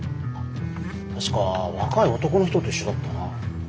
確か若い男の人と一緒だったな。